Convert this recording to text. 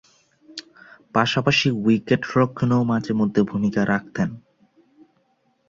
পাশাপাশি উইকেট-রক্ষণেও মাঝে-মধ্যে ভূমিকা রাখতেন।